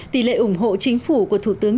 tỷ lệ ủng hộ chính phủ của thủ tướng